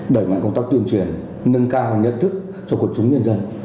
đẩy mạnh công tác tuyên truyền nâng cao nhận thức cho quần chúng nhân dân